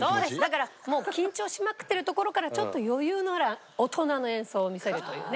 だから緊張しまくってるところからちょっと余裕のある大人の演奏を見せるというね。